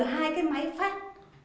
hai cái máy phát